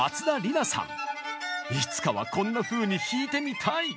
いつかはこんなふうに弾いてみたい！